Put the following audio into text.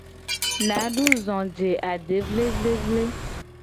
Nadu zo je ade vlevlevle.